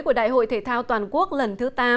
của đại hội thể thao toàn quốc lần thứ tám